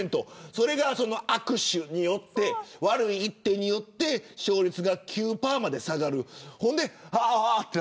それが悪手によって悪い一手によって勝率が９％まで下がる。